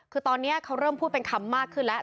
คือตอนนี้เขาเริ่มพูดเป็นคำมากขึ้นแล้ว